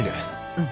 うん